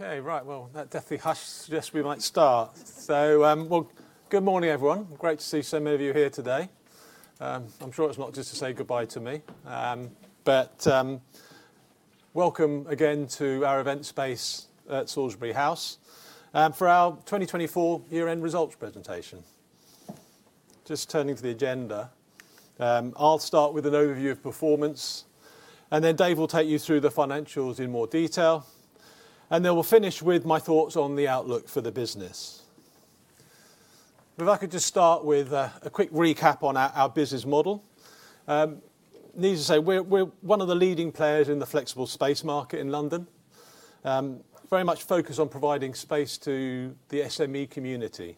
Okay, right. Well, that deathly hush suggests we might start. So, well, good morning, everyone. Great to see so many of you here today. I'm sure it's not just to say goodbye to me. But, welcome again to our event space at Salisbury House, for our 2024 year-end results presentation. Just turning to the agenda, I'll start with an overview of performance, and then Dave will take you through the financials in more detail, and then we'll finish with my thoughts on the outlook for the business. But if I could just start with, a quick recap on our, our business model. Needless to say, we're, we're one of the leading players in the flexible space market in London. Very much focused on providing space to the SME community,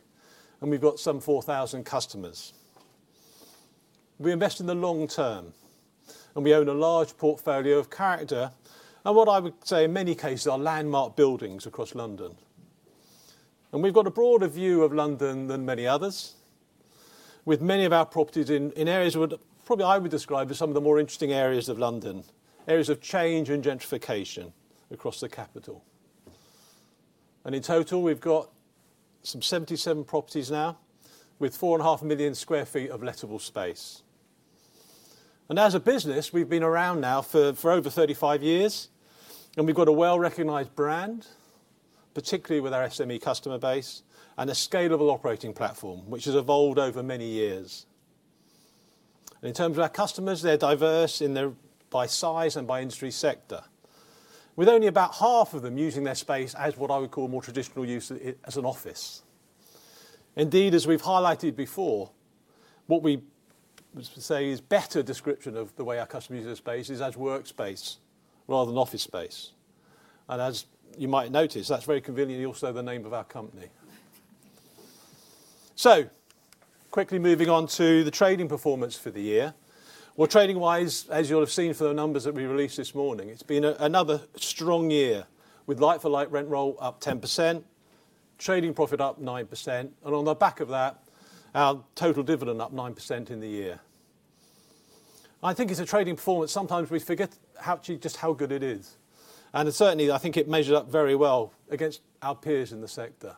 and we've got some 4,000 customers. We invest in the long term, and we own a large portfolio of character, and what I would say, in many cases, are landmark buildings across London. We've got a broader view of London than many others, with many of our properties in areas that would probably I would describe as some of the more interesting areas of London, areas of change and gentrification across the capital. In total, we've got some 77 properties now, with 4.5 million sq ft of lettable space. As a business, we've been around now for over 35 years, and we've got a well-recognized brand, particularly with our SME customer base, and a scalable operating platform, which has evolved over many years. And in terms of our customers, they're diverse in their, by size and by industry sector, with only about half of them using their space as what I would call more traditional use, as an office. Indeed, as we've highlighted before, what we say is better description of the way our customers use the space is as workspace rather than office space. And as you might notice, that's very conveniently also the name of our company. So, quickly moving on to the trading performance for the year. Well, trading-wise, as you'll have seen from the numbers that we released this morning, it's been another strong year, with like-for-like rent roll up 10%, trading profit up 9%, and on the back of that, our total dividend up 9% in the year. I think it's a trading performance. Sometimes we forget how, actually, just how good it is, and certainly, I think it measures up very well against our peers in the sector.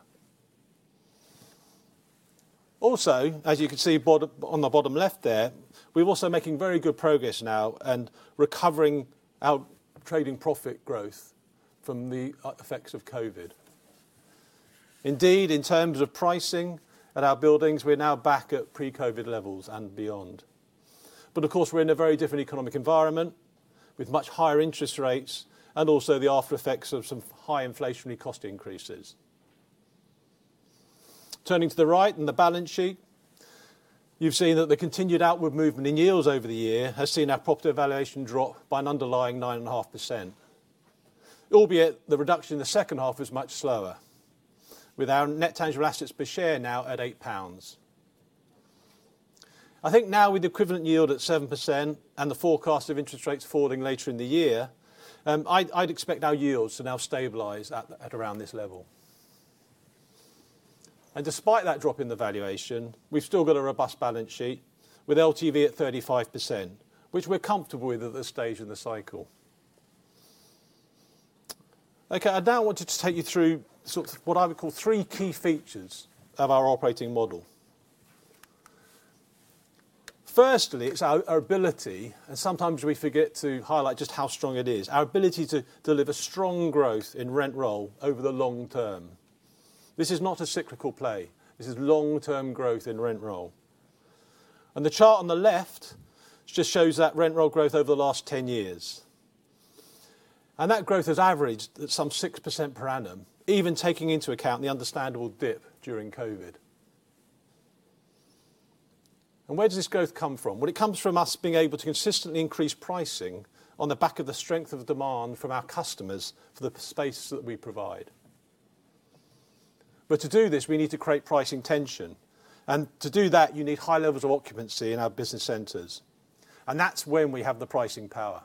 Also, as you can see bottom, on the bottom left there, we're also making very good progress now and recovering our trading profit growth from the effects of COVID. Indeed, in terms of pricing at our buildings, we're now back at pre-COVID levels and beyond. But of course, we're in a very different economic environment, with much higher interest rates, and also the aftereffects of some high inflationary cost increases. Turning to the right, in the balance sheet, you've seen that the continued outward movement in yields over the year has seen our property valuation drop by an underlying 9.5%. Albeit, the reduction in the second half is much slower, with our net tangible assets per share now at 8 pounds. I think now, with the equivalent yield at 7% and the forecast of interest rates falling later in the year, I'd expect our yields to now stabilize at around this level. And despite that drop in the valuation, we've still got a robust balance sheet with LTV at 35%, which we're comfortable with at this stage in the cycle. Okay, I now wanted to take you through sort of what I would call three key features of our operating model. Firstly, it's our ability, and sometimes we forget to highlight just how strong it is, our ability to deliver strong growth in rent roll over the long term. This is not a cyclical play. This is long-term growth in rent roll. The chart on the left just shows that rent roll growth over the last 10 years. That growth has averaged at some 6% per annum, even taking into account the understandable dip during COVID. Where does this growth come from? Well, it comes from us being able to consistently increase pricing on the back of the strength of demand from our customers for the space that we provide. But to do this, we need to create pricing tension, and to do that, you need high levels of occupancy in our business centers, and that's when we have the pricing power.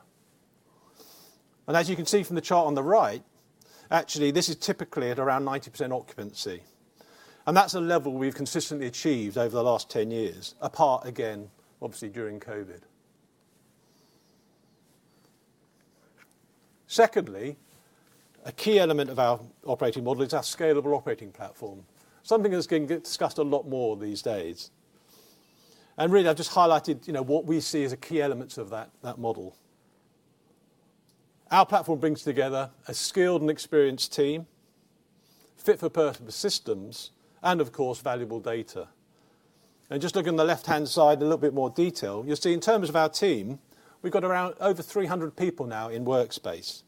As you can see from the chart on the right, actually, this is typically at around 90% occupancy, and that's a level we've consistently achieved over the last 10 years, apart, again, obviously, during COVID. Secondly, a key element of our operating model is our scalable operating platform, something that's getting discussed a lot more these days. And really, I've just highlighted, you know, what we see as a key element of that, that model. Our platform brings together a skilled and experienced team, fit-for-purpose systems, and of course, valuable data. And just looking on the left-hand side in a little bit more detail, you'll see in terms of our team, we've got around over 300 people now in Workspace.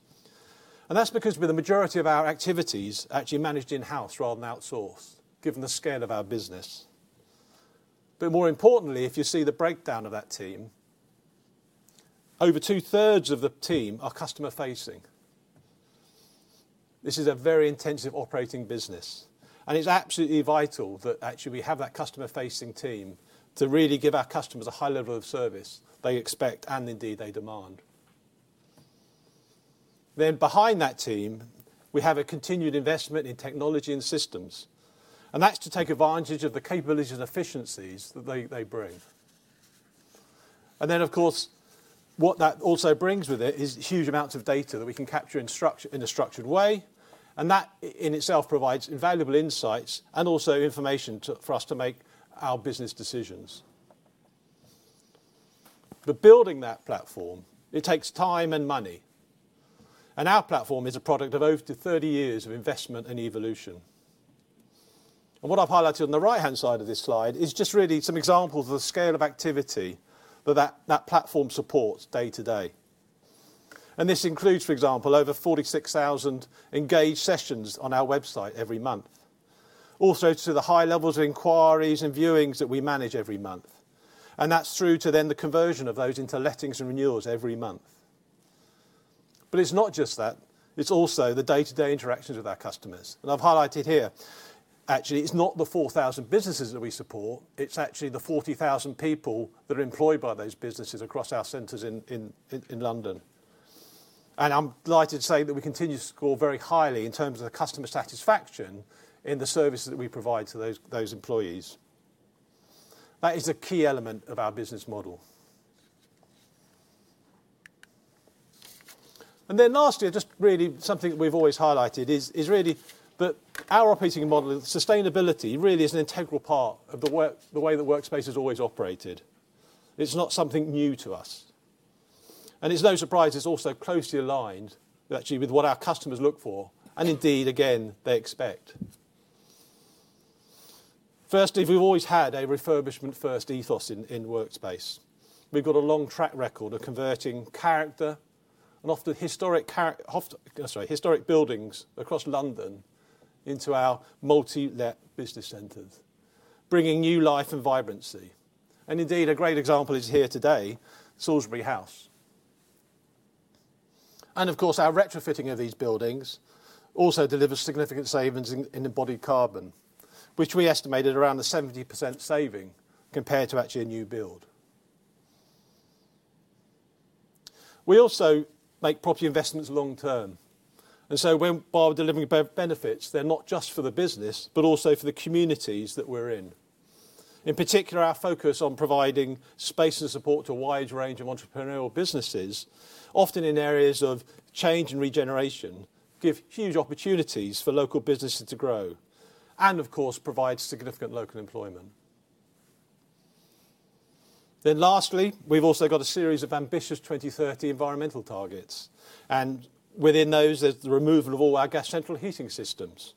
And that's because with the majority of our activities are actually managed in-house rather than outsourced, given the scale of our business. But more importantly, if you see the breakdown of that team, over two-thirds of the team are customer-facing. This is a very intensive operating business, and it's absolutely vital that actually we have that customer-facing team to really give our customers a high level of service they expect and indeed, they demand. Then behind that team, we have a continued investment in technology and systems, and that's to take advantage of the capabilities and efficiencies that they bring. And then, of course, what that also brings with it is huge amounts of data that we can capture in structure, in a structured way, and that in itself provides invaluable insights and also information to for us to make our business decisions. But building that platform, it takes time and money, and our platform is a product of over 30 years of investment and evolution. What I've highlighted on the right-hand side of this slide is just really some examples of the scale of activity that platform supports day-to-day. This includes, for example, over 46,000 engaged sessions on our website every month. Also, to the high levels of inquiries and viewings that we manage every month, and that's through to then the conversion of those into lettings and renewals every month. But it's not just that; it's also the day-to-day interactions with our customers. I've highlighted here, actually, it's not the 4,000 businesses that we support, it's actually the 40,000 people that are employed by those businesses across our centers in London. I'm delighted to say that we continue to score very highly in terms of the customer satisfaction in the services that we provide to those employees. That is a key element of our business model. And then lastly, just really something that we've always highlighted is really that our operating model and sustainability really is an integral part of the work, the way that Workspace has always operated. It's not something new to us. And it's no surprise it's also closely aligned actually with what our customers look for, and indeed, again, they expect. Firstly, we've always had a refurbishment-first ethos in Workspace. We've got a long track record of converting character and often historic buildings across London into our multi-let business centers, bringing new life and vibrancy. And indeed, a great example is here today, Salisbury House. And of course, our retrofitting of these buildings also delivers significant savings in embodied carbon, which we estimated around a 70% saving compared to actually a new build. We also make property investments long-term, and so while delivering benefits, they're not just for the business, but also for the communities that we're in. In particular, our focus on providing space and support to a wide range of entrepreneurial businesses, often in areas of change and regeneration, give huge opportunities for local businesses to grow and, of course, provide significant local employment. Then lastly, we've also got a series of ambitious 2030 environmental targets, and within those there's the removal of all our gas central heating systems,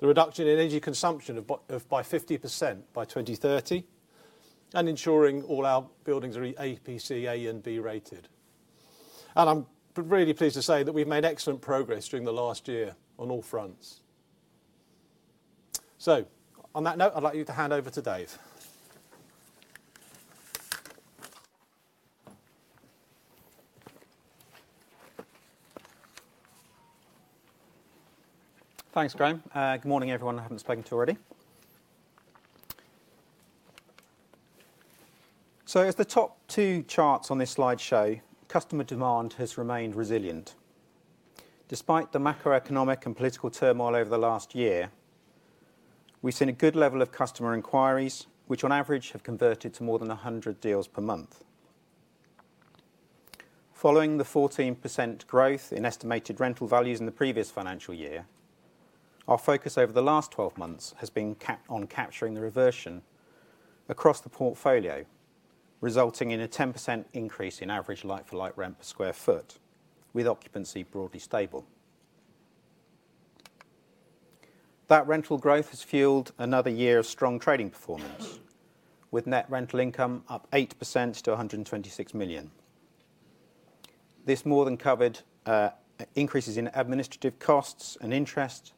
the reduction in energy consumption by 50% by 2030, and ensuring all our buildings are EPC A and B rated. And I'm really pleased to say that we've made excellent progress during the last year on all fronts. So on that note, I'd like you to hand over to Dave. Thanks, Graham. Good morning, everyone I haven't spoken to already. So as the top two charts on this slide show, customer demand has remained resilient. Despite the macroeconomic and political turmoil over the last year, we've seen a good level of customer inquiries, which on average have converted to more than 100 deals per month. Following the 14% growth in estimated rental values in the previous financial year, our focus over the last 12 months has been on capturing the reversion across the portfolio, resulting in a 10% increase in average like-for-like rent per sq ft, with occupancy broadly stable. That rental growth has fueled another year of strong trading performance, with net rental income up 8% to 126 million. This more than covered increases in administrative costs and interest,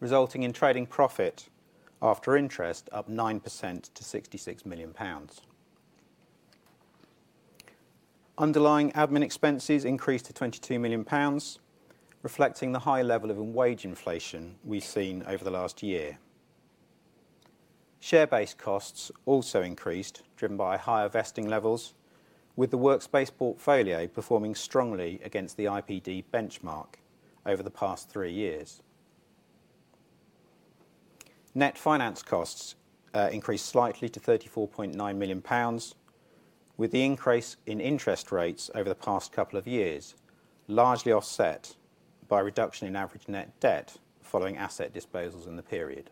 resulting in trading profit after interest up 9% to 66 million pounds. Underlying admin expenses increased to 22 million pounds, reflecting the high level of wage inflation we've seen over the last year. Share-based costs also increased, driven by higher vesting levels, with the Workspace portfolio performing strongly against the IPD benchmark over the past three years. Net finance costs increased slightly to 34.9 million pounds, with the increase in interest rates over the past couple of years, largely offset by a reduction in average net debt following asset disposals in the period.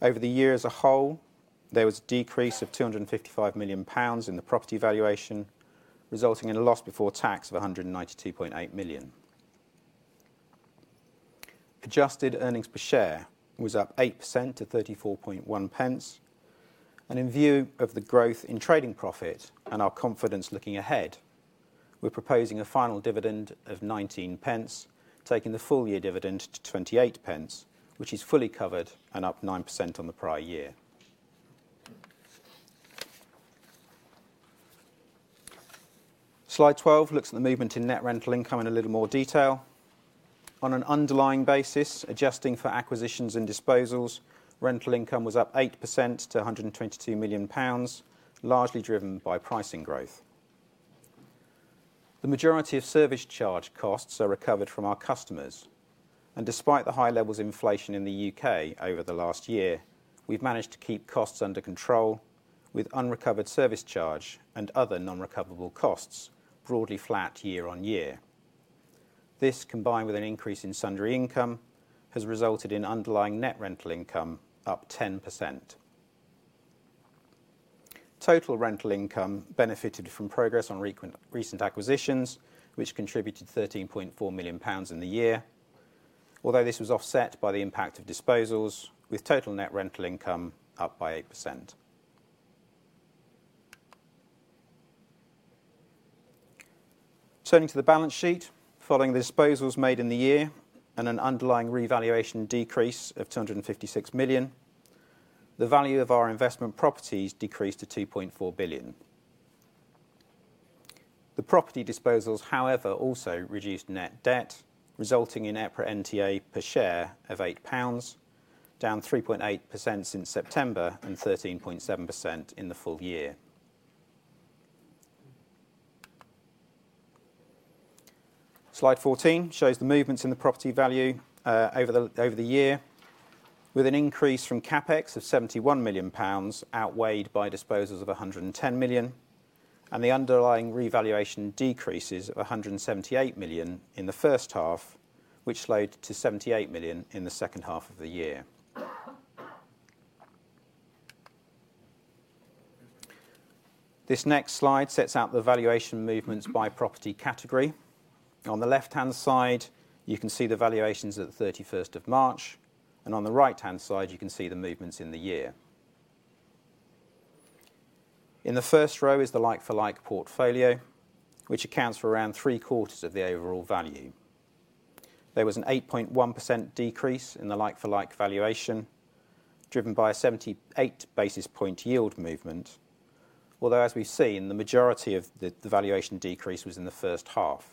Over the year as a whole, there was a decrease of 255 million pounds in the property valuation, resulting in a loss before tax of 192.8 million. Adjusted earnings per share was up 8% to 0.341, and in view of the growth in trading profit and our confidence looking ahead, we're proposing a final dividend of 0.19, taking the full-year dividend to 0.28, which is fully covered and up 9% on the prior year. Slide 12 looks at the movement in net rental income in a little more detail. On an underlying basis, adjusting for acquisitions and disposals, rental income was up 8% to 122 million pounds, largely driven by pricing growth.... The majority of service charge costs are recovered from our customers. And despite the high levels of inflation in the U.K. over the last year, we've managed to keep costs under control, with unrecovered service charge and other non-recoverable costs broadly flat year-on-year. This, combined with an increase in sundry income, has resulted in underlying net rental income up 10%. Total rental income benefited from progress on recent acquisitions, which contributed 13.4 million pounds in the year, although this was offset by the impact of disposals, with total net rental income up by 8%. Turning to the balance sheet. Following the disposals made in the year and an underlying revaluation decrease of 256 million, the value of our investment properties decreased to 2.4 billion. The property disposals, however, also reduced net debt, resulting in EPRA NTA per share of 8 pounds, down 3.8% since September and 13.7% in the full year. Slide 14 shows the movements in the property value over the year, with an increase from CapEx of 71 million pounds, outweighed by disposals of 110 million, and the underlying revaluation decreases of 178 million in the first half, which slowed to 78 million in the second half of the year. This next slide sets out the valuation movements by property category. On the left-hand side, you can see the valuations at the 31st of March, and on the right-hand side, you can see the movements in the year. In the first row is the like-for-like portfolio, which accounts for around three-quarters of the overall value. There was an 8.1% decrease in the like-for-like valuation, driven by a 78 basis point yield movement. Although, as we've seen, the majority of the valuation decrease was in the first half,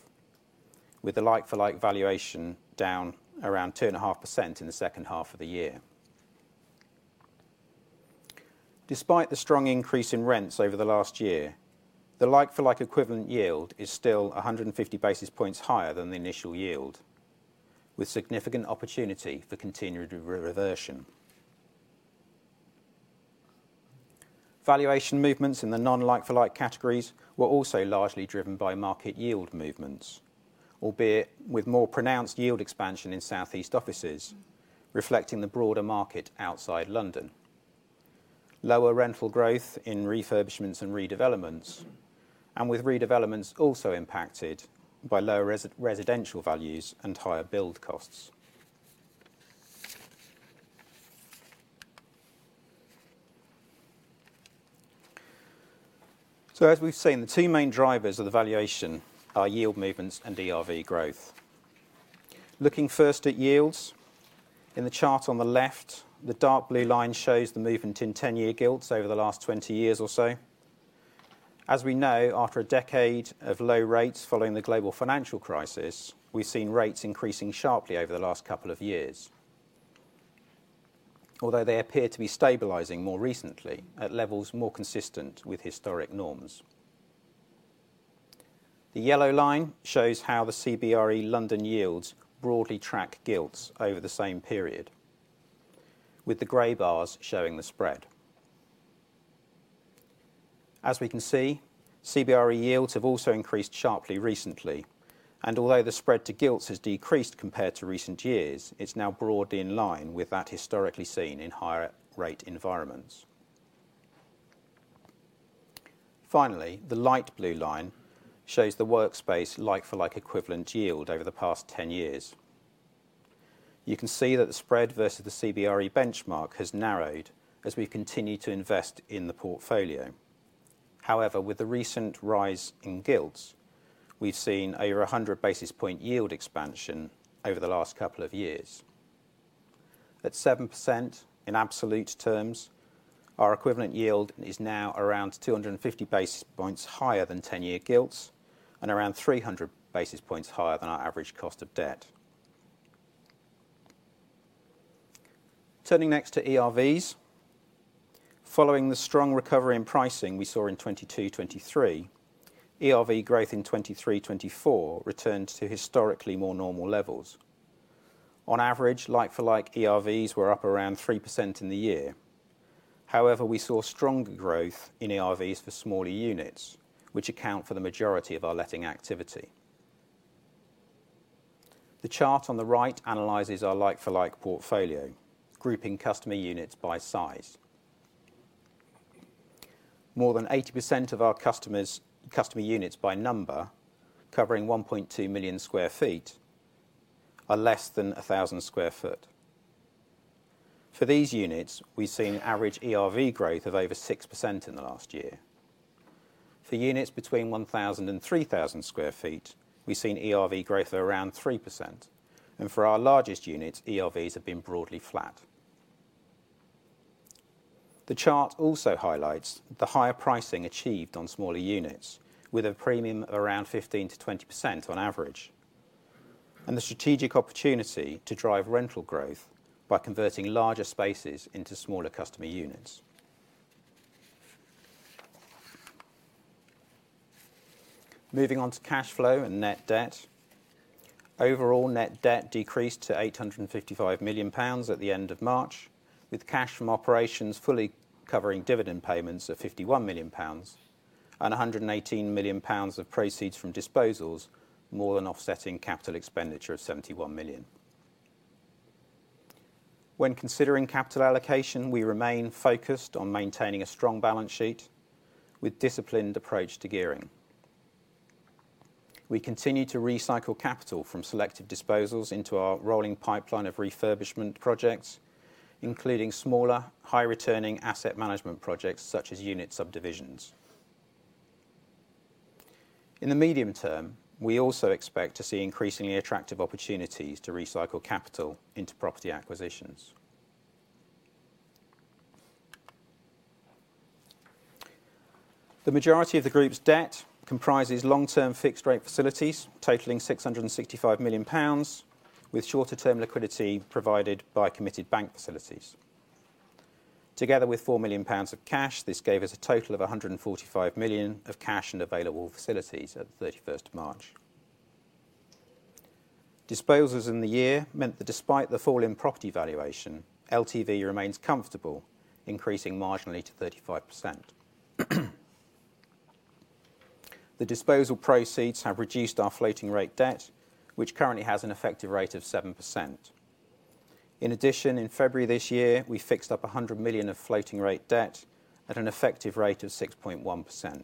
with the like-for-like valuation down around 2.5% in the second half of the year. Despite the strong increase in rents over the last year, the like-for-like equivalent yield is still 150 basis points higher than the initial yield, with significant opportunity for continued reversion. Valuation movements in the non-like-for-like categories were also largely driven by market yield movements, albeit with more pronounced yield expansion in Southeast offices, reflecting the broader market outside London. Lower rental growth in refurbishments and redevelopments, and with redevelopments also impacted by lower residential values and higher build costs. So as we've seen, the two main drivers of the valuation are yield movements and ERV growth. Looking first at yields. In the chart on the left, the dark blue line shows the movement in ten-year gilts over the last 20 years or so. As we know, after a decade of low rates following the global financial crisis, we've seen rates increasing sharply over the last couple of years. Although they appear to be stabilizing more recently at levels more consistent with historic norms. The yellow line shows how the CBRE London yields broadly track gilts over the same period, with the gray bars showing the spread. As we can see, CBRE yields have also increased sharply recently, and although the spread to gilts has decreased compared to recent years, it's now broadly in line with that historically seen in higher rate environments. Finally, the light blue line shows the Workspace like-for-like equivalent yield over the past 10 years. You can see that the spread versus the CBRE benchmark has narrowed as we continue to invest in the portfolio. However, with the recent rise in gilts, we've seen over 100 basis points yield expansion over the last couple of years. At 7% in absolute terms, our equivalent yield is now around 250 basis points higher than ten-year gilts and around 300 basis points higher than our average cost of debt. Turning next to ERVs. Following the strong recovery in pricing we saw in 2022, 2023, ERV growth in 2023, 2024 returned to historically more normal levels. On average, like-for-like ERVs were up around 3% in the year. However, we saw stronger growth in ERVs for smaller units, which account for the majority of our letting activity. The chart on the right analyzes our like-for-like portfolio, grouping customer units by size. More than 80% of our customer units by number, covering 1.2 million sq ft, are less than 1,000 sq ft. For these units, we've seen average ERV growth of over 6% in the last year. For units between 1,000 and 3,000 sq ft, we've seen ERV growth of around 3%, and for our largest units, ERVs have been broadly flat. The chart also highlights the higher pricing achieved on smaller units, with a premium of around 15%-20% on average, and the strategic opportunity to drive rental growth by converting larger spaces into smaller customer units.... Moving on to cash flow and net debt. Overall, net debt decreased to 855 million pounds at the end of March, with cash from operations fully covering dividend payments of 51 million pounds, and 118 million pounds of proceeds from disposals, more than offsetting capital expenditure of 71 million. When considering capital allocation, we remain focused on maintaining a strong balance sheet, with disciplined approach to gearing. We continue to recycle capital from selected disposals into our rolling pipeline of refurbishment projects, including smaller, high-returning asset management projects, such as unit subdivisions. In the medium term, we also expect to see increasingly attractive opportunities to recycle capital into property acquisitions. The majority of the group's debt comprises long-term fixed rate facilities totaling 665 million pounds, with shorter term liquidity provided by committed bank facilities. Together with 4 million pounds of cash, this gave us a total of 145 million of cash and available facilities at the 31st of March. Disposals in the year meant that despite the fall in property valuation, LTV remains comfortable, increasing marginally to 35%. The disposal proceeds have reduced our floating rate debt, which currently has an effective rate of 7%. In addition, in February this year, we fixed up 100 million of floating rate debt at an effective rate of 6.1%.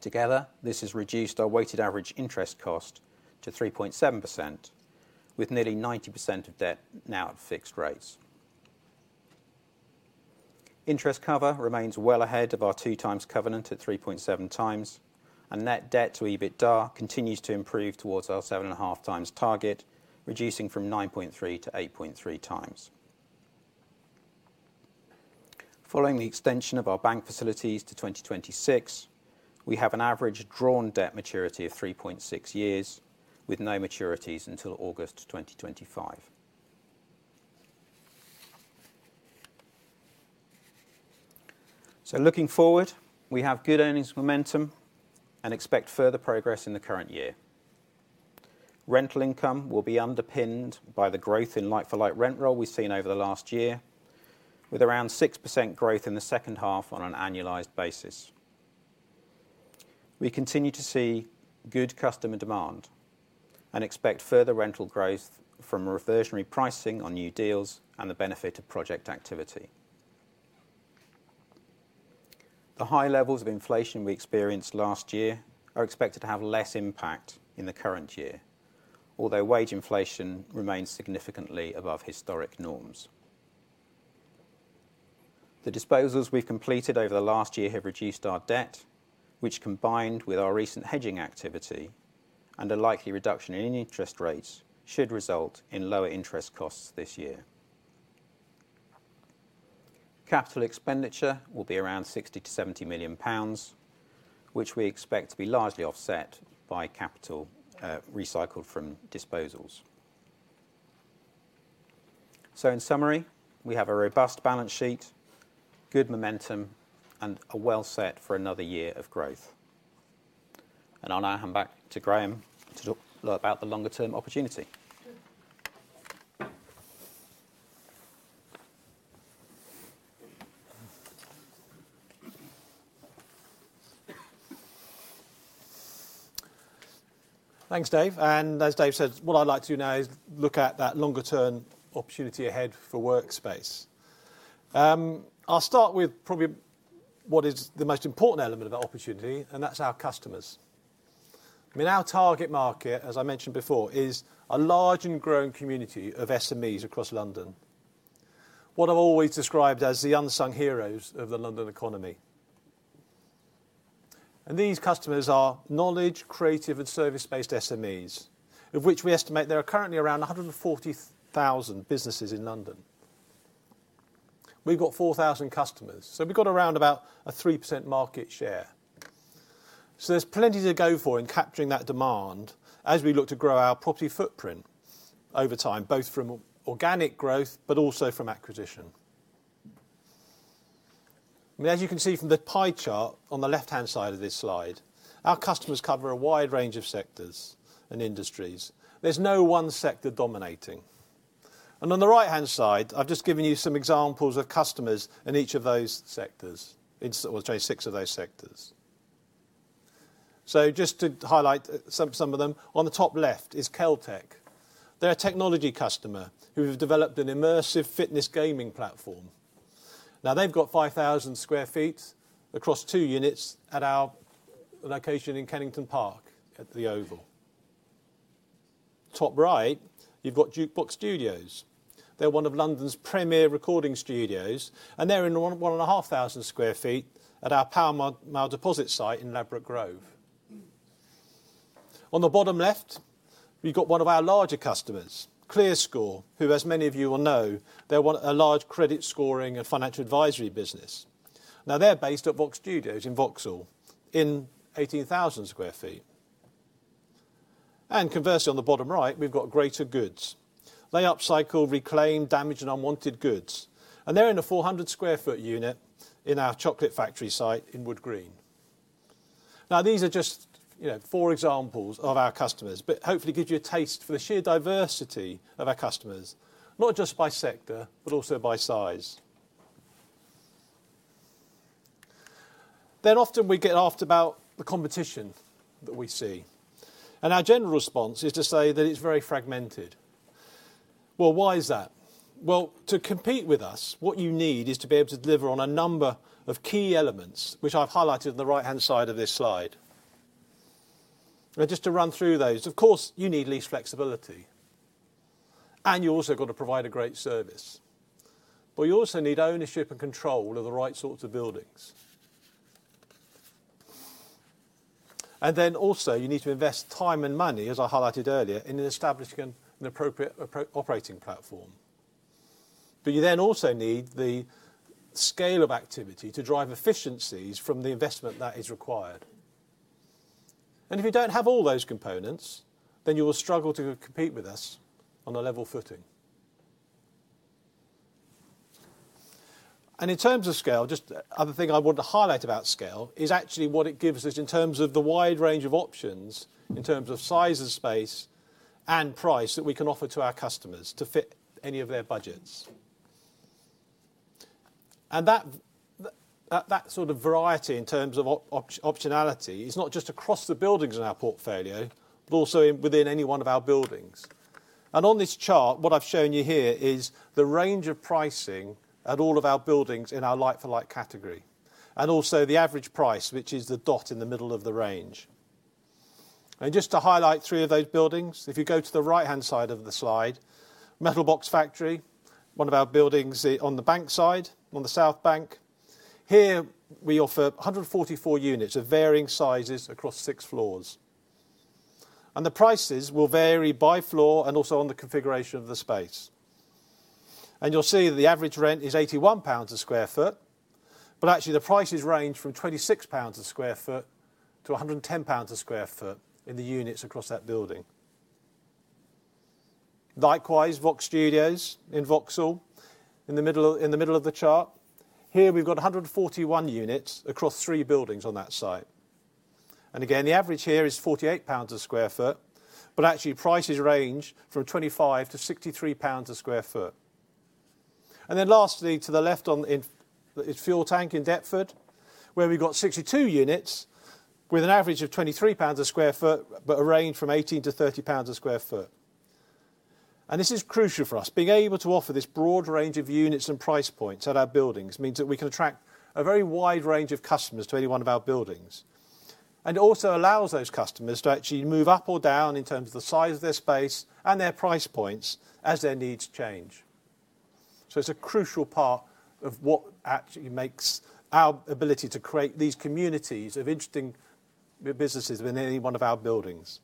Together, this has reduced our weighted average interest cost to 3.7%, with nearly 90% of debt now at fixed rates. Interest cover remains well ahead of our 2x covenant at 3.7x, and net debt to EBITDA continues to improve towards our 7.5x target, reducing from 9.3x-8.3x. Following the extension of our bank facilities to 2026, we have an average drawn debt maturity of 3.6 years, with no maturities until August 2025. So looking forward, we have good earnings momentum and expect further progress in the current year. Rental income will be underpinned by the growth in like-for-like rent roll we've seen over the last year, with around 6% growth in the second half on an annualized basis. We continue to see good customer demand and expect further rental growth from reversionary pricing on new deals and the benefit of project activity. The high levels of inflation we experienced last year are expected to have less impact in the current year, although wage inflation remains significantly above historic norms. The disposals we've completed over the last year have reduced our debt, which, combined with our recent hedging activity and a likely reduction in interest rates, should result in lower interest costs this year. Capital expenditure will be around 60 million-70 million pounds, which we expect to be largely offset by capital recycled from disposals. So in summary, we have a robust balance sheet, good momentum, and are well set for another year of growth. And I'll now hand back to Graham to talk about the longer term opportunity. Thanks, Dave. As Dave said, what I'd like to do now is look at that longer term opportunity ahead for workspace. I'll start with probably what is the most important element of that opportunity, and that's our customers. I mean, our target market, as I mentioned before, is a large and growing community of SMEs across London. What I've always described as the unsung heroes of the London economy. These customers are knowledge, creative, and service-based SMEs, of which we estimate there are currently around 140,000 businesses in London. We've got 4,000 customers, so we've got around about a 3% market share. There's plenty to go for in capturing that demand as we look to grow our property footprint over time, both from organic growth, but also from acquisition. I mean, as you can see from the pie chart on the left-hand side of this slide, our customers cover a wide range of sectors and industries. There's no one sector dominating. And on the right-hand side, I've just given you some examples of customers in each of those sectors. Well, sorry, six of those sectors. So just to highlight some of them, on the top left is Quell Tech. They're a technology customer who have developed an immersive fitness gaming platform. Now, they've got 5,000 sq ft across two units at our location in Kennington Park at the Oval. Top right, you've got Jukebox Studios. They're one of London's premier recording studios, and they're in 1,500 sq ft at our Pall Mall Deposit site in Ladbroke Grove. On the bottom left, we've got one of our larger customers, ClearScore, who, as many of you will know, they're a large credit scoring and financial advisory business. Now, they're based at Vox Studios in Vauxhall, in 18,000 sq ft. And conversely, on the bottom right, we've got Greater Goods. They upcycle, reclaim damaged and unwanted goods, and they're in a 400 sq ft unit in our Chocolate Factory site in Wood Green. Now, these are just, you know, four examples of our customers, but hopefully it gives you a taste for the sheer diversity of our customers, not just by sector, but also by size. Then often we get asked about the competition that we see, and our general response is to say that it's very fragmented. Well, why is that? Well, to compete with us, what you need is to be able to deliver on a number of key elements, which I've highlighted on the right-hand side of this slide. Now, just to run through those, of course, you need lease flexibility, and you've also got to provide a great service. But you also need ownership and control of the right sorts of buildings. And then also, you need to invest time and money, as I highlighted earlier, in establishing an appropriate operating platform. But you then also need the scale of activity to drive efficiencies from the investment that is required. And if you don't have all those components, then you will struggle to compete with us on a level footing. And in terms of scale, just the other thing I want to highlight about scale is actually what it gives us in terms of the wide range of options, in terms of size of space and price that we can offer to our customers to fit any of their budgets. And that sort of variety in terms of optionality is not just across the buildings in our portfolio, but also within any one of our buildings. And on this chart, what I've shown you here is the range of pricing at all of our buildings in our like-for-like category, and also the average price, which is the dot in the middle of the range. And just to highlight three of those buildings, if you go to the right-hand side of the slide, Metal Box Factory, one of our buildings on the Bankside, on the South Bank. Here, we offer 144 units of varying sizes across six floors, and the prices will vary by floor and also on the configuration of the space. And you'll see that the average rent is 81 pounds/sq ft, but actually the prices range from 26 pounds/sq ft to 110 pounds/sq ft in the units across that building. Likewise, Vox Studios in Vauxhall, in the middle, in the middle of the chart. Here, we've got 141 units across three buildings on that site. And again, the average here is 48 pounds/sq ft, but actually prices range from 25/sq ft to 63 pounds/sq ft. And then lastly, to the left on in, is Fuel Tank in Deptford, where we've got 62 units with an average of 23 pounds/sq ft, but a range from 18/sq ft to 30 pounds/sq ft. And this is crucial for us. Being able to offer this broad range of units and price points at our buildings means that we can attract a very wide range of customers to any one of our buildings. And it also allows those customers to actually move up or down in terms of the size of their space and their price points as their needs change. It's a crucial part of what actually makes our ability to create these communities of interesting businesses within any one of our buildings.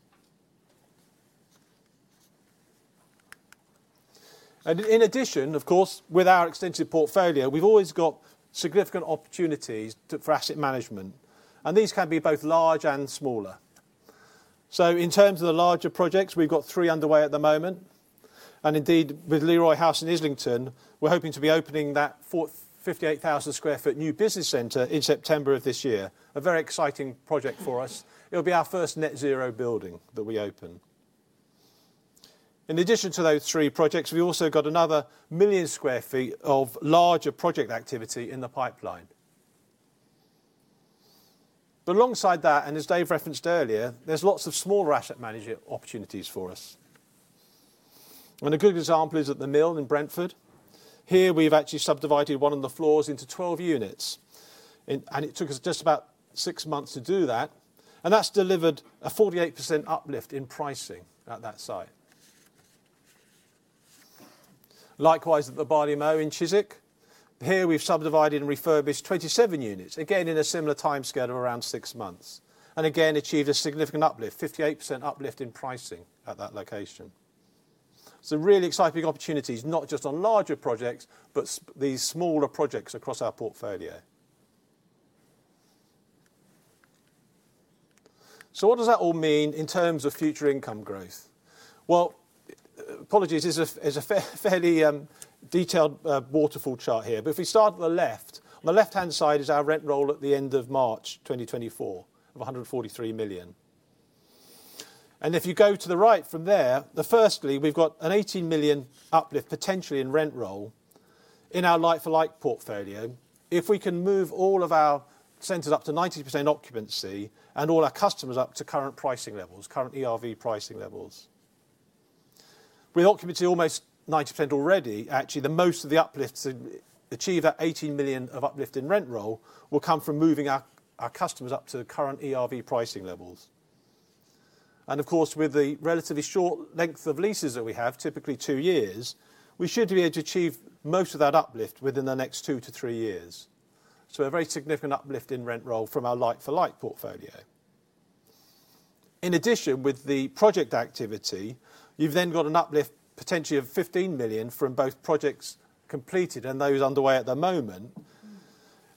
In addition, of course, with our extensive portfolio, we've always got significant opportunities for asset management, and these can be both large and smaller. In terms of the larger projects, we've got 3 underway at the moment, and indeed, with Leroy House in Islington, we're hoping to be opening that 58,000 sq ft new business center in September of this year. A very exciting project for us. It'll be our first net zero building that we open. In addition to those 3 projects, we've also got another 1 million sq ft of larger project activity in the pipeline. But alongside that, and as Dave referenced earlier, there's lots of smaller asset management opportunities for us. A good example is at The Mill in Brentford. Here, we've actually subdivided one of the floors into 12 units, and it took us just about 6 months to do that, and that's delivered a 48% uplift in pricing at that site. Likewise, at The Barley Mow in Chiswick, here, we've subdivided and refurbished 27 units, again, in a similar timescale of around 6 months, and again, achieved a significant uplift, 58% uplift in pricing at that location. So really exciting opportunities, not just on larger projects, but these smaller projects across our portfolio. So what does that all mean in terms of future income growth? Well, apologies, this is a is a fairly detailed waterfall chart here. But if we start on the left, on the left-hand side is our rent roll at the end of March 2024 of 143 million. And if you go to the right from there, firstly, we've got a 18 million uplift potentially in rent roll in our like-for-like portfolio. If we can move all of our centers up to 90% occupancy and all our customers up to current pricing levels, current ERV pricing levels. With occupancy almost 90% already, actually, the most of the uplifts... achieve that 18 million of uplift in rent roll will come from moving our customers up to the current ERV pricing levels. And of course, with the relatively short length of leases that we have, typically 2 years, we should be able to achieve most of that uplift within the next 2-3 years. So a very significant uplift in rent roll from our like-for-like portfolio. In addition, with the project activity, you've then got an uplift potentially of 15 million from both projects completed and those underway at the moment.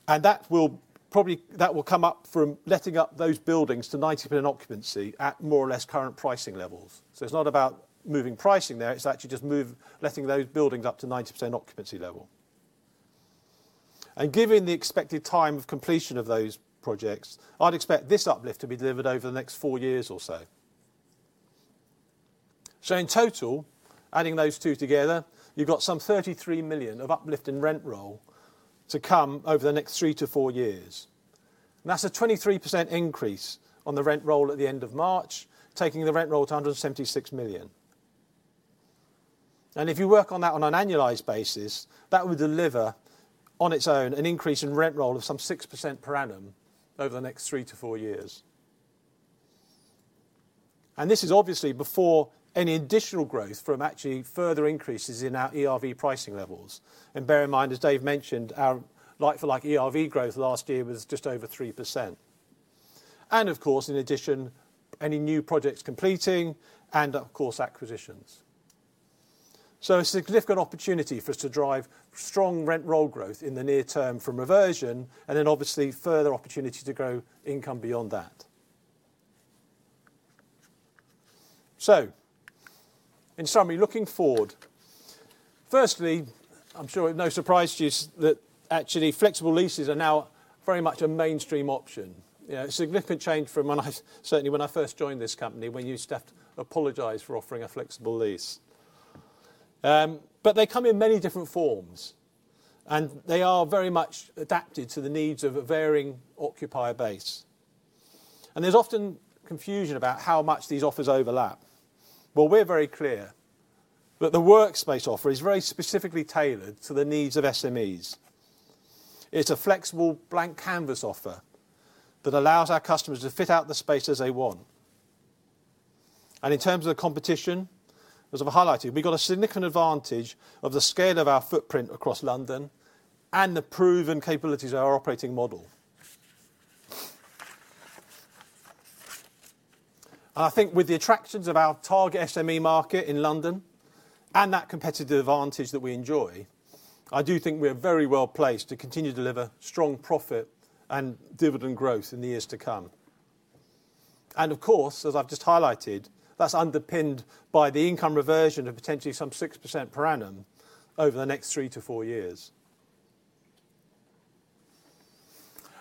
And that will probably, that will come up from letting up those buildings to 90% occupancy at more or less current pricing levels. So it's not about moving pricing there, it's actually just move, letting those buildings up to 90% occupancy level. And given the expected time of completion of those projects, I'd expect this uplift to be delivered over the next 4 years or so. So in total, adding those two together, you've got some 33 million of uplift in rent roll to come over the next 3-4 years. That's a 23% increase on the rent roll at the end of March, taking the rent roll to 176 million. And if you work on that on an annualized basis, that would deliver, on its own, an increase in rent roll of some 6% per annum over the next 3-4 years. And this is obviously before any additional growth from actually further increases in our ERV pricing levels. And bear in mind, as Dave mentioned, our like-for-like ERV growth last year was just over 3%. And of course, in addition, any new projects completing and of course, acquisitions. So a significant opportunity for us to drive strong rent roll growth in the near term from reversion, and then obviously, further opportunity to grow income beyond that. So, in summary, looking forward. Firstly, I'm sure it's no surprise to you that actually flexible leases are now very much a mainstream option. You know, a significant change from when I first joined this company, when you used to have to apologize for offering a flexible lease. But they come in many different forms, and they are very much adapted to the needs of a varying occupier base. There's often confusion about how much these offers overlap. Well, we're very clear that the workspace offer is very specifically tailored to the needs of SMEs. It's a flexible blank canvas offer that allows our customers to fit out the space as they want. And in terms of the competition, as I've highlighted, we've got a significant advantage of the scale of our footprint across London and the proven capabilities of our operating model. And I think with the attractions of our target SME market in London and that competitive advantage that we enjoy, I do think we are very well placed to continue to deliver strong profit and dividend growth in the years to come. And of course, as I've just highlighted, that's underpinned by the income reversion of potentially some 6% per annum over the next 3-4 years.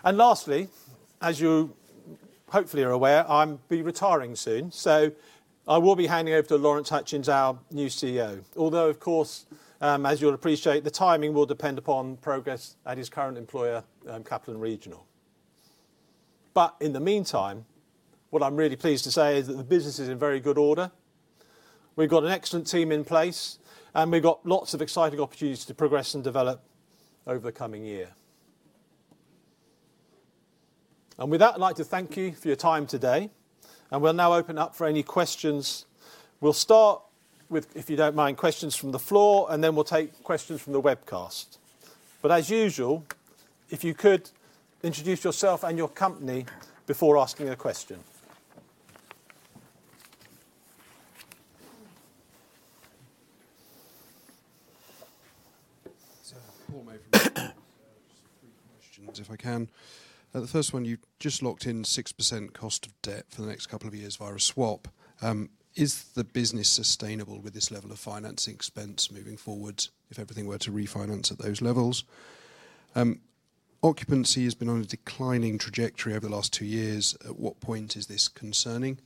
And lastly, as you hopefully are aware, I'll be retiring soon, so I will be handing over to Lawrence Hutchings, our new CEO. Although of course, as you'll appreciate, the timing will depend upon progress at his current employer, Capital & Regional. But in the meantime, what I'm really pleased to say is that the business is in very good order. We've got an excellent team in place, and we've got lots of exciting opportunities to progress and develop over the coming year. With that, I'd like to thank you for your time today, and we'll now open up for any questions. We'll start with, if you don't mind, questions from the floor, and then we'll take questions from the webcast. As usual, if you could introduce yourself and your company before asking a question. So, Paul May from Barclays, three questions, if I can. The first one, you just locked in 6% cost of debt for the next couple of years via swap. Is the business sustainable with this level of financing expense moving forward, if everything were to refinance at those levels? Occupancy has been on a declining trajectory over the last two years. At what point is this concerning?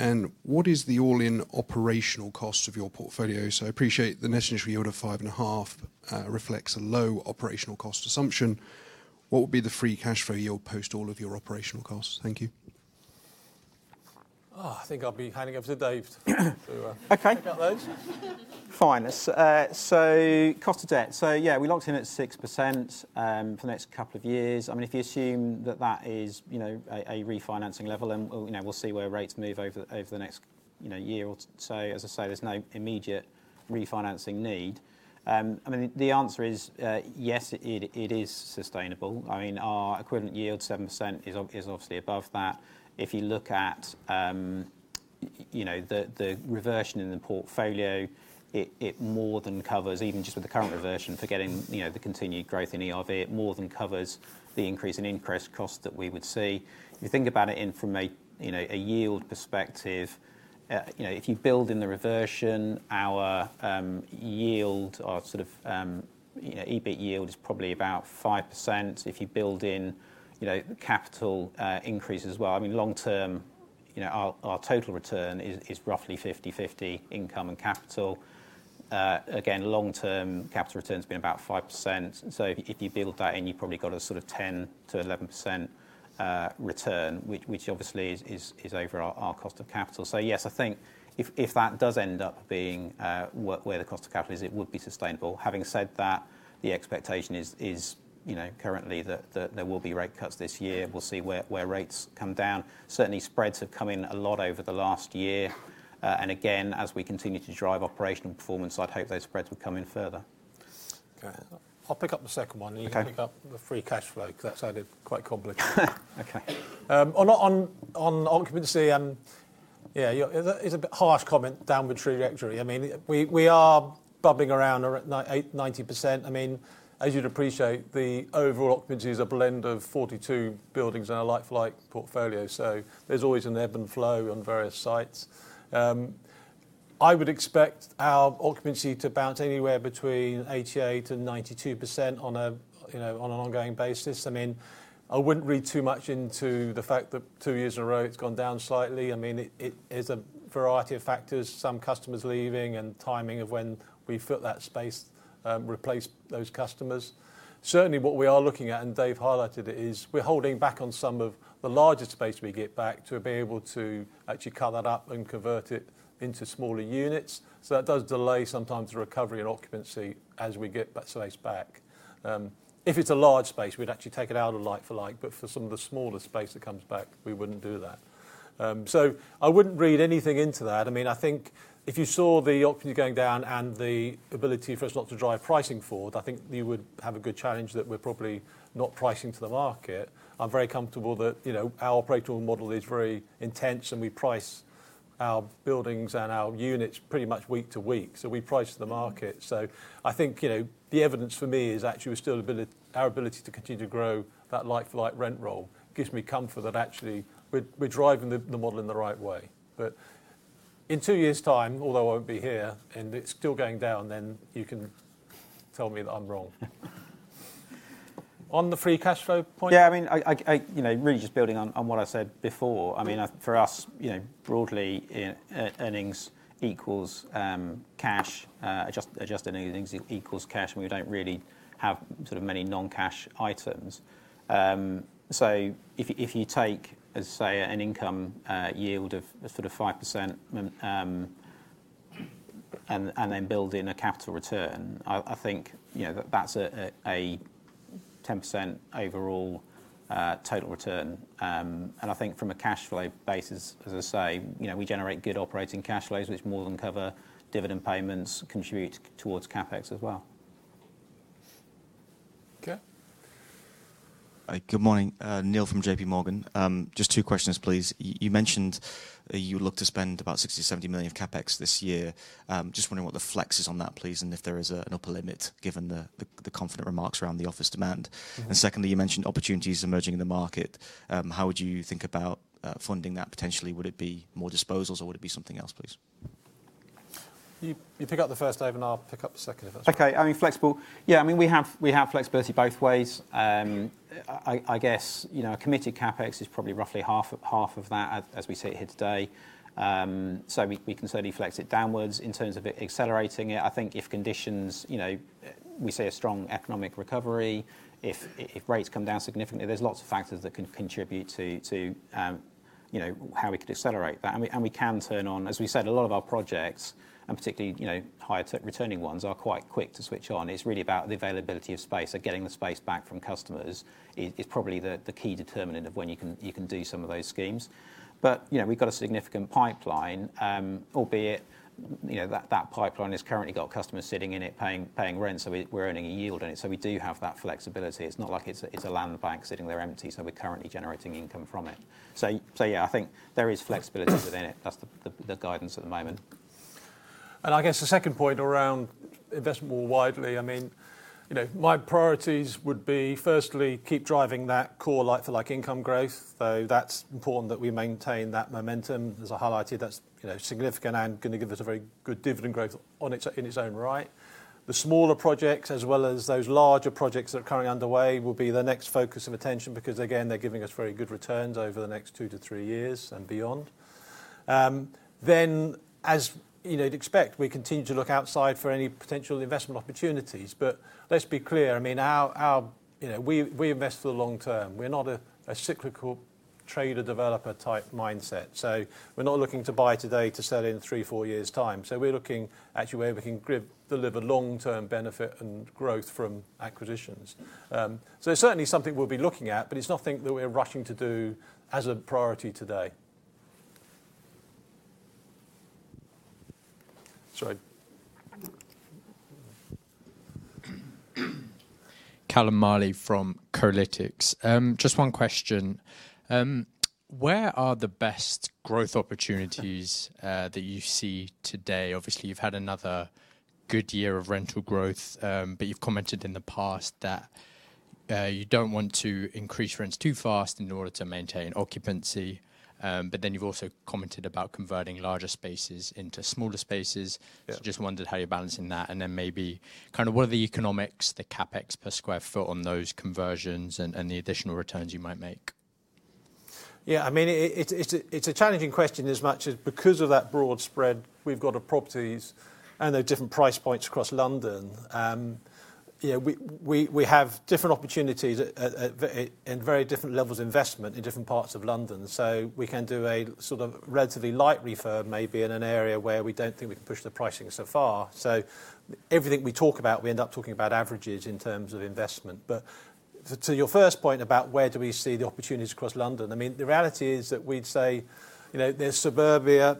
And what is the all-in operational cost of your portfolio? So I appreciate the net yield of 5.5% reflects a low operational cost assumption. What would be the free cash flow yield post all of your operational costs? Thank you. Oh, I think I'll be handing over to Dave to. Okay... pick up those. Fine. So cost of debt. So yeah, we locked in at 6%, for the next couple of years. I mean, if you assume that that is, you know, a, a refinancing level, and, you know, we'll see where rates move over, over the next, you know, year or so. As I say, there's no immediate refinancing need. I mean, the answer is, yes, it, it is sustainable. I mean, our equivalent yield, 7%, is obviously above that. If you look at, you know, the, the reversion in the portfolio, it, it more than covers, even just with the current reversion, forgetting, you know, the continued growth in ERV, it more than covers the increase in interest cost that we would see. If you think about it in a yield perspective, you know, if you build in the reversion, our yield, our sort of, you know, EBIT yield is probably about 5%. If you build in, you know, capital increase as well, I mean, long term, you know, our total return is roughly 50/50 income and capital. Again, long-term capital return's been about 5%. So if you build that in, you've probably got a sort of 10%-11% return, which obviously is over our cost of capital. So yes, I think if that does end up being where the cost of capital is, it would be sustainable. Having said that, the expectation is, you know, currently that there will be rate cuts this year. We'll see where rates come down. Certainly, spreads have come in a lot over the last year. And again, as we continue to drive operational performance, I'd hope those spreads would come in further. Okay. I'll pick up the second one- Okay. and you can pick up the free cash flow, because that sounded quite complex. Okay. On occupancy, yeah, yeah, it's a bit harsh comment, downward trajectory. I mean, we are bubbling around or at 98%-90%. I mean, as you'd appreciate, the overall occupancy is a blend of 42 buildings in our like-for-like portfolio, so there's always an ebb and flow on various sites. I would expect our occupancy to bounce anywhere between 88%-92% on a, you know, on an ongoing basis. I mean, I wouldn't read too much into the fact that two years in a row it's gone down slightly. I mean, it is a variety of factors, some customers leaving and timing of when we fill that space, replace those customers. Certainly, what we are looking at, and Dave highlighted it, is we're holding back on some of the larger space we get back to be able to actually cut that up and convert it into smaller units, so that does delay sometimes the recovery and occupancy as we get that space back. If it's a large space, we'd actually take it out of like-for-like, but for some of the smaller space that comes back, we wouldn't do that. So I wouldn't read anything into that. I mean, I think if you saw the occupancy going down and the ability for us not to drive pricing forward, I think you would have a good challenge that we're probably not pricing to the market. I'm very comfortable that, you know, our operational model is very intense, and we price our buildings and our units pretty much week to week, so we price to the market. So I think, you know, the evidence for me is actually still ability, our ability to continue to grow that like-for-like rent roll. Gives me comfort that actually we're, we're driving the, the model in the right way. But in two years' time, although I won't be here, and it's still going down, then you can tell me that I'm wrong. On the free cash flow point? Yeah, I mean, you know, really just building on what I said before. I mean, for us, you know, broadly, earnings equals cash, adjusted earnings equals cash, and we don't really have sort of many non-cash items. So if you take, let's say, an income yield of sort of 5%, and then build in a capital return, I think, you know, that's a 10% overall total return. And I think from a cash flow basis, as I say, you know, we generate good operating cash flows, which more than cover dividend payments, contribute towards CapEx as well. Okay. Hi, good morning, Neil from J.P. Morgan. Just two questions, please. You mentioned that you look to spend about 60 million-70 million of CapEx this year. Just wondering what the flex is on that, please, and if there is an upper limit, given the confident remarks around the office demand. Mm-hmm. Secondly, you mentioned opportunities emerging in the market. How would you think about funding that potentially? Would it be more disposals, or would it be something else, please? You pick up the first, Dave, and I'll pick up the second, if that's all right. Okay, I mean, flexible. Yeah, I mean, we have flexibility both ways. I guess, you know, a committed CapEx is probably roughly half of that, as we see it here today. So we can certainly flex it downwards. In terms of it accelerating it, I think if conditions, you know, we see a strong economic recovery, if rates come down significantly, there's lots of factors that can contribute to how we could accelerate that. And we can turn on. As we said, a lot of our projects, and particularly, you know, higher returning ones, are quite quick to switch on. It's really about the availability of space, so getting the space back from customers is probably the key determinant of when you can do some of those schemes. But, you know, we've got a significant pipeline, albeit, you know, that pipeline has currently got customers sitting in it, paying rent, so we're earning a yield on it, so we do have that flexibility. It's not like it's a land bank sitting there empty, so we're currently generating income from it. So yeah, I think there is flexibility within it. That's the guidance at the moment. And I guess the second point around investment more widely, I mean, you know, my priorities would be, firstly, keep driving that core like-for-like income growth. So that's important that we maintain that momentum. As I highlighted, that's, you know, significant and going to give us a very good dividend growth on its, in its own right. The smaller projects, as well as those larger projects that are currently underway, will be the next focus of attention, because, again, they're giving us very good returns over the next 2-3 years and beyond. Then, as you know, you'd expect, we continue to look outside for any potential investment opportunities. But let's be clear, I mean, our... You know, we invest for the long term. We're not a cyclical trader-developer type mindset, so we're not looking to buy today to sell in 3-4 years' time. So we're looking actually where we can deliver long-term benefit and growth from acquisitions. So it's certainly something we'll be looking at, but it's nothing that we're rushing to do as a priority today. Sorry. Callum Marley from Kolytics. Just one question: where are the best growth opportunities that you see today? Obviously, you've had another good year of rental growth, but you've commented in the past that you don't want to increase rents too fast in order to maintain occupancy. But then you've also commented about converting larger spaces into smaller spaces. Yeah. So just wondered how you're balancing that, and then maybe kind of what are the economics, the CapEx per sq ft on those conversions, and the additional returns you might make? Yeah, I mean, it's a challenging question as much as because of that broad spread we've got of properties and the different price points across London. You know, we have different opportunities in very different levels of investment in different parts of London. So we can do a sort of relatively light refurb, maybe in an area where we don't think we can push the pricing so far. So everything we talk about, we end up talking about averages in terms of investment. But to your first point about where do we see the opportunities across London, I mean, the reality is that we'd say, you know, there's suburbia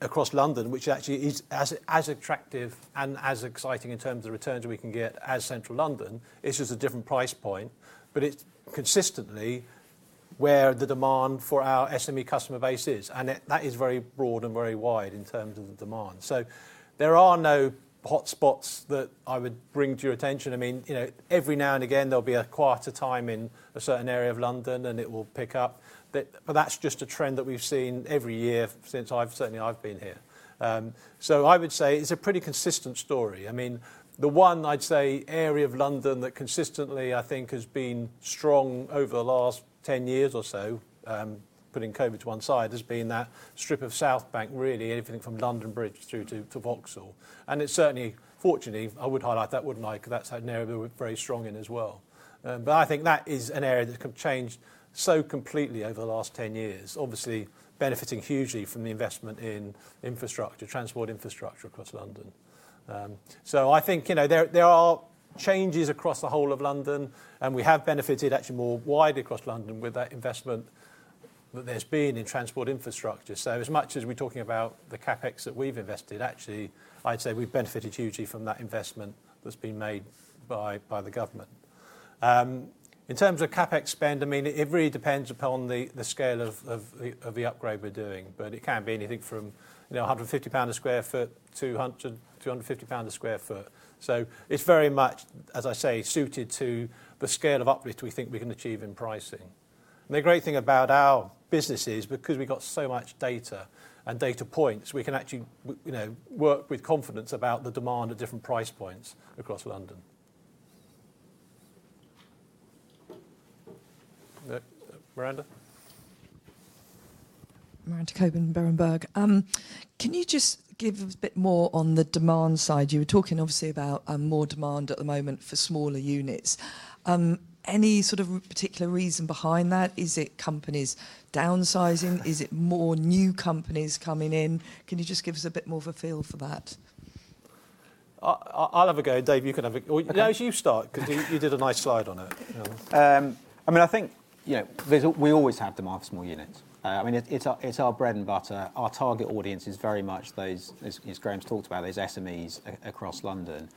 across London, which actually is as attractive and as exciting in terms of the returns we can get as Central London. It's just a different price point, but it's consistently where the demand for our SME customer base is, and it, that is very broad and very wide in terms of the demand. So there are no hot spots that I would bring to your attention. I mean, you know, every now and again, there'll be a quieter time in a certain area of London, and it will pick up. But that's just a trend that we've seen every year since I've certainly been here. So I would say it's a pretty consistent story. I mean, the one I'd say area of London that consistently, I think, has been strong over the last 10 years or so, putting COVID to one side, has been that strip of South Bank, really anything from London Bridge through to Vauxhall. It's certainly, fortunately, I would highlight that, wouldn't I? Because that's an area we're very strong in as well. But I think that is an area that have changed so completely over the last 10 years, obviously benefiting hugely from the investment in infrastructure, transport infrastructure across London. So I think, you know, there, there are changes across the whole of London, and we have benefited actually more widely across London with that investment that there's been in transport infrastructure. So as much as we're talking about the CapEx that we've invested, actually, I'd say we've benefited hugely from that investment that's been made by, by the government. In terms of CapEx spend, I mean, it really depends upon the scale of the upgrade we're doing, but it can be anything from, you know, 150 pounds/sq ft, 200, 250/sq ft. So it's very much, as I say, suited to the scale of uplift we think we can achieve in pricing. And the great thing about our business is because we've got so much data and data points, we can actually, you know, work with confidence about the demand at different price points across London. Uh, Miranda? Miranda Cockburn, Berenberg. Can you just give us a bit more on the demand side? You were talking obviously about more demand at the moment for smaller units. Any sort of particular reason behind that? Is it companies downsizing? Is it more new companies coming in? Can you just give us a bit more of a feel for that? I'll have a go. Dave, you can have a... Or, no, you start because you did a nice slide on it. I mean, I think, you know, there's we always have demand for small units. I mean, it's our, it's our bread and butter. Our target audience is very much those, as, as Graham's talked about, those SMEs across London.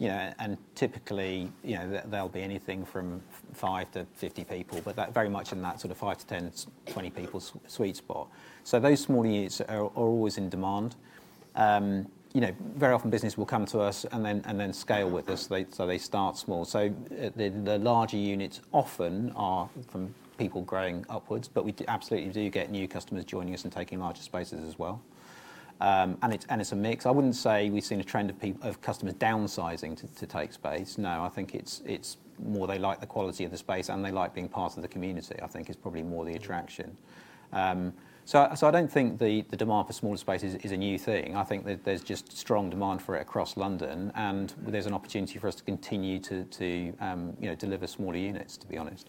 You know, and typically, you know, they'll, they'll be anything from 5-50 people, but that very much in that sort of 5-10, 20 people sweet spot. So those smaller units are, are always in demand. You know, very often business will come to us and then, and then scale with us. They so they start small. So, the larger units often are from people growing upwards, but we absolutely do get new customers joining us and taking larger spaces as well. And it's, and it's a mix. I wouldn't say we've seen a trend of customers downsizing to take space. No, I think it's more they like the quality of the space, and they like being part of the community, I think is probably more the attraction. So, I don't think the demand for smaller spaces is a new thing. I think that there's just strong demand for it across London, and there's an opportunity for us to continue to you know, deliver smaller units, to be honest.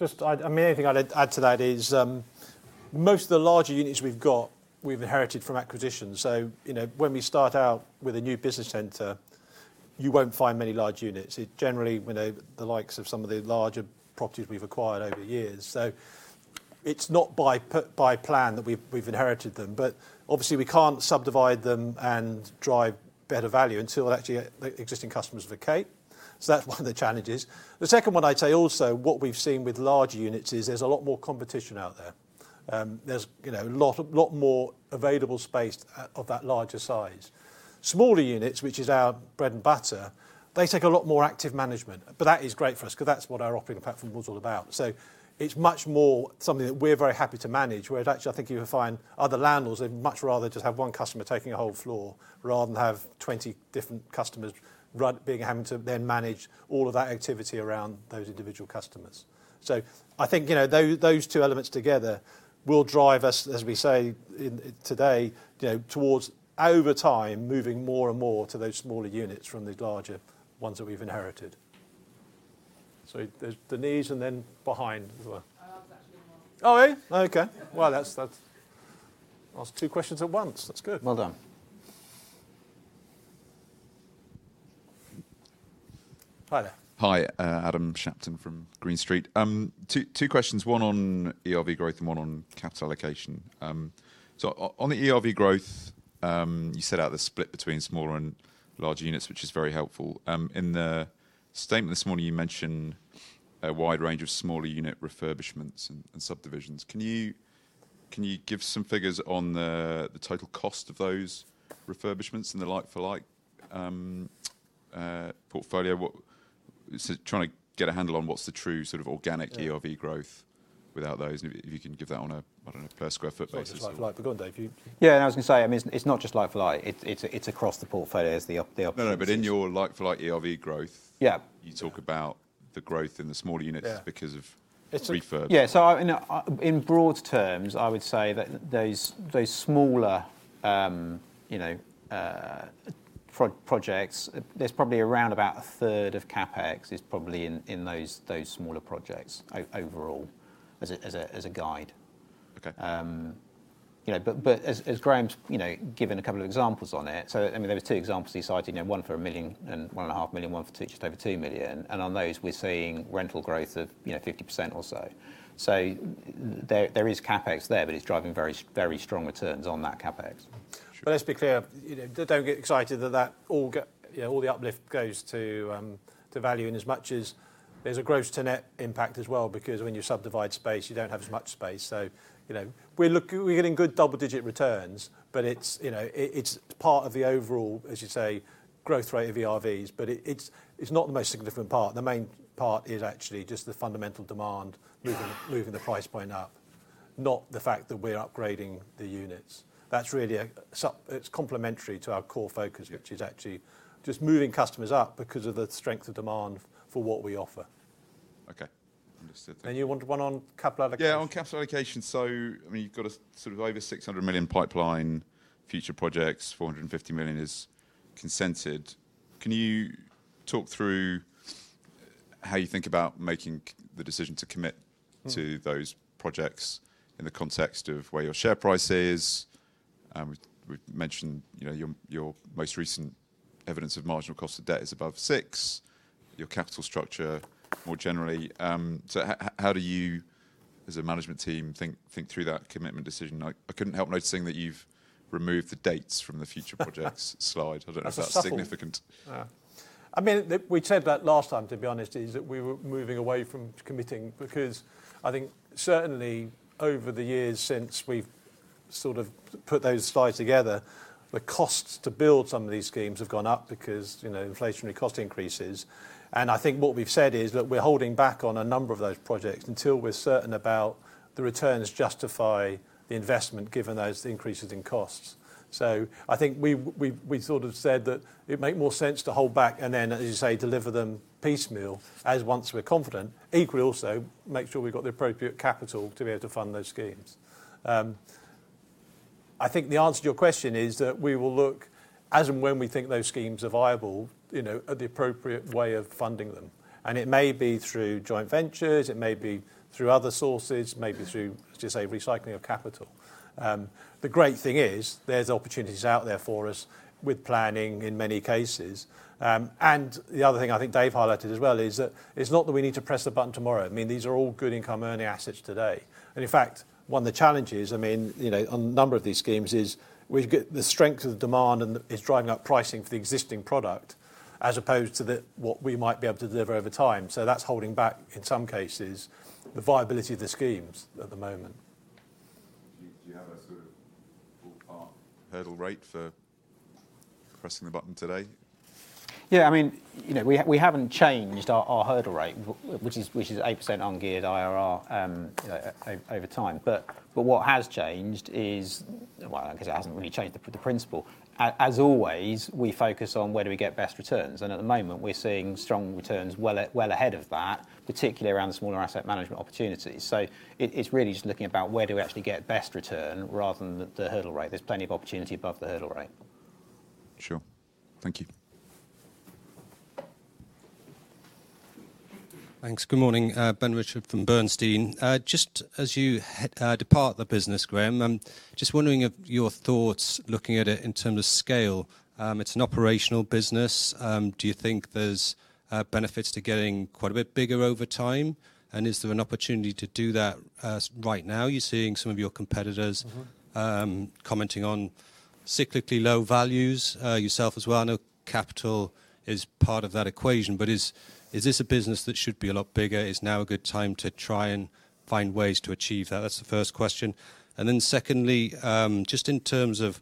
Just, I mean, anything I'd add to that is, most of the larger units we've got, we've inherited from acquisitions. So, you know, when we start out with a new business center, you won't find many large units. It generally, you know, the likes of some of the larger properties we've acquired over the years. So it's not by plan that we've inherited them, but obviously, we can't subdivide them and drive better value until actually the existing customers vacate. So that's one of the challenges. The second one, I'd say also, what we've seen with larger units is there's a lot more competition out there. There's, you know, a lot more available space, of that larger size. Smaller units, which is our bread and butter, they take a lot more active management, but that is great for us because that's what our operating platform was all about. So it's much more something that we're very happy to manage, whereas actually, I think you would find other landlords, they'd much rather just have one customer taking a whole floor rather than have 20 different customers having to then manage all of that activity around those individual customers. So I think, you know, those, those two elements together will drive us, as we say in, today, you know, towards over time, moving more and more to those smaller units from the larger ones that we've inherited. So there's Denise and then behind her. I was actually done. Oh, eh? Okay. Well, that's... Asked two questions at once. That's good. Well done. Hi there. Hi, Adam Shapton from Green Street. Two, two questions, one on ERV growth and one on capital allocation. So on the ERV growth, you set out the split between smaller and larger units, which is very helpful. In the statement this morning, you mentioned a wide range of smaller unit refurbishments and subdivisions. Can you give some figures on the total cost of those refurbishments and the like-for-like portfolio? Just trying to get a handle on what's the true sort of organic ERV growth without those, and if you can give that on a per square foot basis. Like-for-like. But go on, Dave, you- Yeah, I was gonna say, I mean, it's not just like-for-like, it's, it's across the portfolio as the op- the opportunities. No, but in your like-for-like ERV growth- Yeah... you talk about the growth in the smaller units- Yeah because of refurb. Yeah, so in broad terms, I would say that those smaller, you know, projects, there's probably around about a third of CapEx is probably in those smaller projects overall as a guide. Okay. You know, but as Graham has, you know, given a couple of examples on it, so, I mean, there were 2 examples he cited, you know, one for 1 million and 1.5 million, one for 2, just over 2 million. And on those, we're seeing rental growth of, you know, 50% or so. So there is CapEx there, but it's driving very strong returns on that CapEx.... But let's be clear, you know, don't get excited that, that all you know, all the uplift goes to, to value in as much as there's a gross to net impact as well, because when you subdivide space, you don't have as much space. So, you know, we're getting good double-digit returns, but it's, you know, it, it's part of the overall, as you say, growth rate of the ERVs. But it, it's, it's not the most significant part. The main part is actually just the fundamental demand moving, moving the price point up, not the fact that we're upgrading the units. That's really it's complementary to our core focus, which is actually just moving customers up because of the strength of demand for what we offer. Okay. Understood. You want one on capital allocation? Yeah, on capital allocation. So, I mean, you've got a sort of over 600 million pipeline, future projects, 450 million is consented. Can you talk through how you think about making the decision to commit- Mm... to those projects in the context of where your share price is? We've, we've mentioned, you know, your, your most recent evidence of marginal cost of debt is above 6, your capital structure more generally. So how, how, how do you, as a management team, think, think through that commitment decision? I, I couldn't help noticing that you've removed the dates from the future projects slide. I don't know if that's significant. Yeah. I mean, we said that last time, to be honest, is that we were moving away from committing because I think certainly over the years since we've sort of put those slides together, the costs to build some of these schemes have gone up because, you know, inflationary cost increases. And I think what we've said is that we're holding back on a number of those projects until we're certain about the returns justify the investment, given those increases in costs. So I think we sort of said that it makes more sense to hold back and then, as you say, deliver them piecemeal, as once we're confident. Equally, also, make sure we've got the appropriate capital to be able to fund those schemes. I think the answer to your question is that we will look as and when we think those schemes are viable, you know, at the appropriate way of funding them, and it may be through joint ventures, it may be through other sources, maybe through, just say, recycling of capital. The great thing is, there's opportunities out there for us with planning in many cases. And the other thing I think Dave highlighted as well, is that it's not that we need to press the button tomorrow. I mean, these are all good income-earning assets today. And in fact, one of the challenges, I mean, you know, on a number of these schemes is we've got the strength of demand, and is driving up pricing for the existing product, as opposed to the, what we might be able to deliver over time. That's holding back, in some cases, the viability of the schemes at the moment. Do you have a sort of full par hurdle rate for pressing the button today? Yeah, I mean, you know, we, we haven't changed our, our hurdle rate, which is, which is 8% ungeared IRR, over time. But, but what has changed is... Well, I guess it hasn't really changed the, the principle. As always, we focus on where do we get best returns, and at the moment, we're seeing strong returns well, well ahead of that, particularly around the smaller asset management opportunities. So it, it's really just looking about where do we actually get best return rather than the, the hurdle rate. There's plenty of opportunity above the hurdle rate. Sure. Thank you. Thanks. Good morning, Ben Richford from Bernstein. Just as you depart the business, Graham, I'm just wondering of your thoughts, looking at it in terms of scale. It's an operational business. Do you think there's benefits to getting quite a bit bigger over time? And is there an opportunity to do that as right now? You're seeing some of your competitors- Mm-hmm... commenting on cyclically low values, yourself as well. I know capital is part of that equation, but is this a business that should be a lot bigger? Is now a good time to try and find ways to achieve that? That's the first question. And then secondly, just in terms of,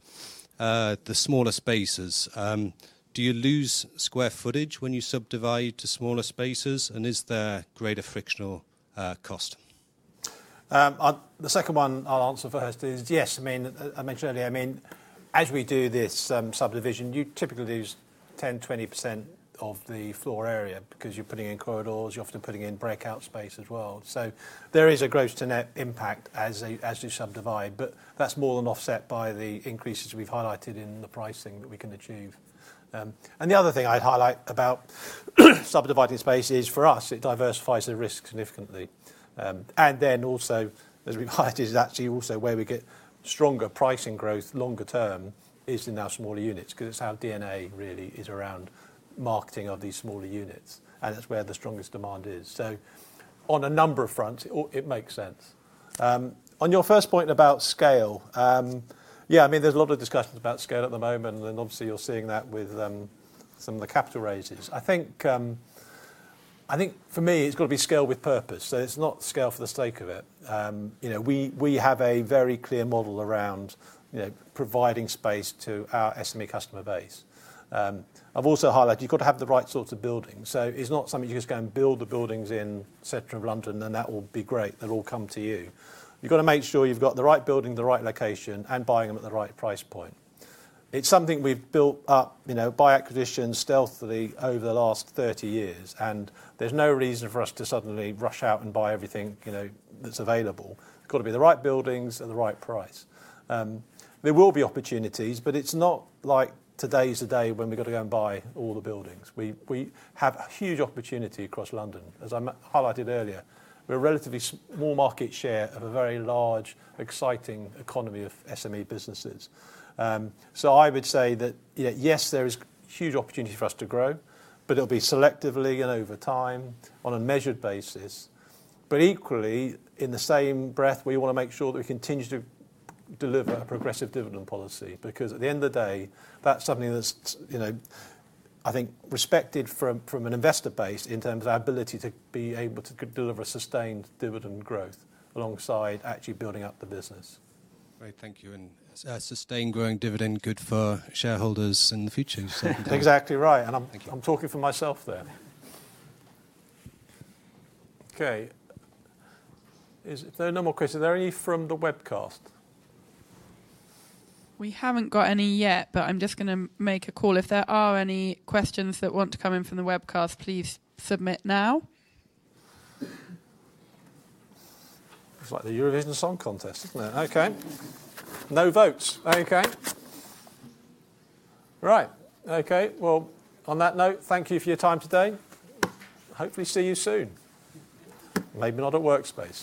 the smaller spaces, do you lose square footage when you subdivide to smaller spaces? And is there greater frictional, cost? The second one I'll answer first is, yes. I mean, I mentioned earlier, I mean, as we do this subdivision, you typically lose 10%-20% of the floor area because you're putting in corridors, you're often putting in breakout space as well. So there is a gross to net impact as you, as you subdivide, but that's more than offset by the increases we've highlighted in the pricing that we can achieve. And the other thing I'd highlight about subdividing space is, for us, it diversifies the risk significantly. And then also, as we've highlighted, is actually also where we get stronger pricing growth longer term is in our smaller units, because it's our DNA really is around marketing of these smaller units, and that's where the strongest demand is. So on a number of fronts, it makes sense. On your first point about scale, yeah, I mean, there's a lot of discussions about scale at the moment, and obviously, you're seeing that with some of the capital raises. I think, I think for me, it's got to be scale with purpose, so it's not scale for the sake of it. You know, we have a very clear model around, you know, providing space to our SME customer base. I've also highlighted, you've got to have the right sorts of buildings, so it's not something you just go and build the buildings in center of London, and that will be great. They'll all come to you. You've got to make sure you've got the right building, the right location, and buying them at the right price point. It's something we've built up, you know, by acquisition, stealthily over the last 30 years, and there's no reason for us to suddenly rush out and buy everything, you know, that's available. It's got to be the right buildings at the right price. There will be opportunities, but it's not like today is the day when we got to go and buy all the buildings. We have a huge opportunity across London. As I highlighted earlier, we're a relatively small market share of a very large, exciting economy of SME businesses. So I would say that, yeah, yes, there is huge opportunity for us to grow, but it'll be selectively and over time on a measured basis. But equally, in the same breath, we want to make sure that we continue to deliver a progressive dividend policy, because at the end of the day, that's something that's, you know, I think, respected from an investor base in terms of our ability to be able to deliver a sustained dividend growth alongside actually building up the business. Great, thank you, and a sustained growing dividend, good for shareholders in the future. Exactly right. Thank you. I'm, I'm talking for myself there. Okay. Is there no more questions? Are there any from the webcast? We haven't got any yet, but I'm just gonna make a call. If there are any questions that want to come in from the webcast, please submit now. It's like the Eurovision Song Contest, isn't it? Okay. No votes. Okay. Right. Okay, well, on that note, thank you for your time today. Hopefully, see you soon. Maybe not at Workspace.